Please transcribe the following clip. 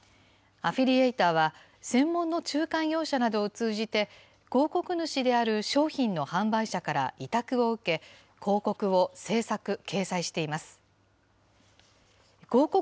アフィリエイターは、専門の仲介業者などを通じて、広告主である商品の販売者から委託を受け、広告を制作・掲載しています。